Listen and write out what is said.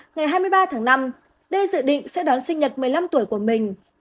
ngày hai mươi ba tháng năm d dự định sẽ đón sinh nhật một mươi năm tuổi của mình